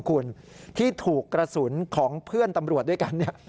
คุณที่ถูกกระสุนของเพื่อนตำรวจด้วยกันเนี่ย